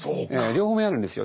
両面あるんですよ。